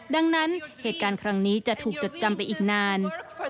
ดังนั้นเหตุการณ์ครั้งนี้จะถูกจดจำไปอีกนาน